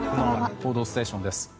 「報道ステーション」です。